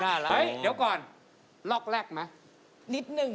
เดี๋ยวก่อนลอคแรกไหม